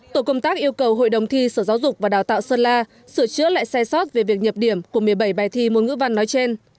tổ công tác yêu cầu hội đồng thi sở giáo dục và đào tạo sơn la sửa chữa lại sai sót về việc nhập điểm của một mươi bảy bài thi môn ngữ văn nói trên